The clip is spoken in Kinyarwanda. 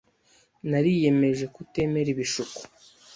Nariyemeje kutemera ibishuko.